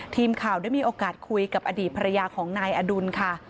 ทีมข่าวได้มีโอกาสคุยกับอดีตภรรยาของนายอดุลค่ะ